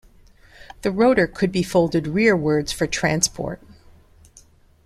The rotor could be folded rearwards for transport.